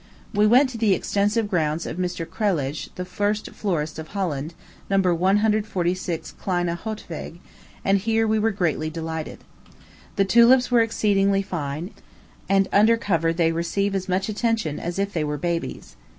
We went to the extensive grounds of Mr. Krelage, the first florist of Holland, No. 146 Kleine Houtweg; and here we were greatly delighted. The tulips were exceedingly fine, and under cover they receive as much attention as if they were babies.